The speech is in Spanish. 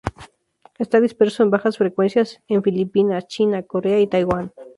Está disperso en bajas frecuencias en Filipinas, China, Corea y Taiwán.